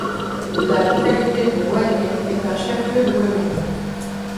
La localité de Gouané est un chef-lieu de commune.